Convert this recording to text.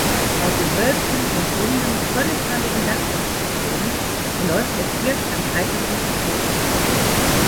Bei gewölbten und runden, tonnenförmigen Dachkonstruktionen verläuft der First am Scheitelpunkt des Bogens.